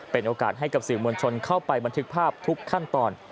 เป็นโอกาสให้กับสื่อมวลชนเข้าไปบันทึกภาพทุกขั้นตอน